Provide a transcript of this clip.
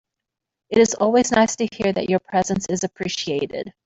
It is always nice to hear that your presence is appreciated.